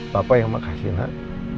papa yang makasih nak